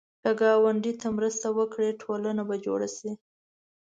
که ګاونډي ته مرسته وکړې، ټولنه به جوړه شي